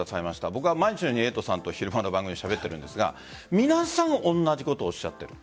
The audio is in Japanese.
僕は毎日のようにエイトさんと昼間の番組でしゃべっているんですが皆さん同じことをおっしゃっている。